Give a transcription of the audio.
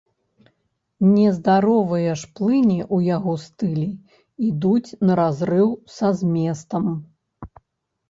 Нездаровыя ж плыні ў яго стылі ідуць на разрыў са зместам.